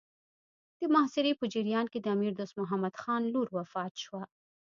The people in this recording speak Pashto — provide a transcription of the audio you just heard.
د محاصرې په جریان کې د امیر دوست محمد خان لور وفات شوه.